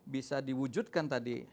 bisa diwujudkan tadi